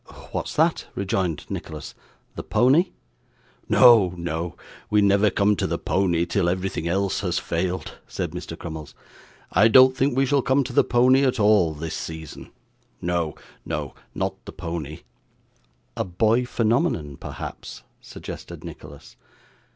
'What's that?' rejoined Nicholas. 'The pony?' 'No, no, we never come to the pony till everything else has failed,' said Mr. Crummles. 'I don't think we shall come to the pony at all, this season. No, no, not the pony.' 'A boy phenomenon, perhaps?' suggested Nicholas.